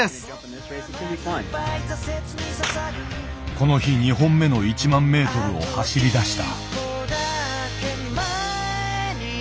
この日２本目の１万メートルを走りだした。